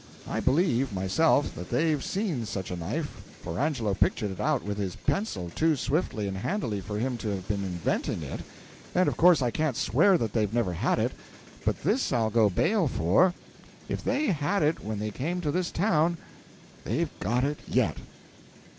I believe, myself, that they've seen such a knife, for Angelo pictured it out with his pencil too swiftly and handily for him to have been inventing it, and of course I can't swear that they've never had it; but this I'll go bail for if they had it when they came to this town, they've got it yet."